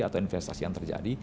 atau investasi yang terjadi